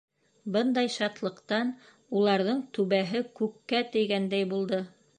Бындай шатлыҡтан уларҙың түбәһе күккә тейгәндәй булды.